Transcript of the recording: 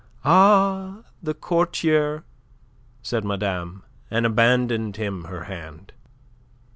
"Ah, the courtier!" said madame, and abandoned him her hand.